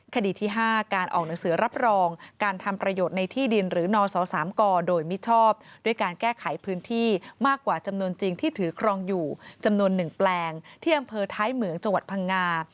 คดีที่๕การออกหนังสือรับรองการทำประโยชน์ในที่ดินหรือนศ๓กโดยมิชอบด้วยการแก้ไขพื้นที่มากกว่าจำนวนจริงที่ถือครองอยู่จำนวน๑แปลงที่อำเภอท้ายเหมืองจังหวัดพังงา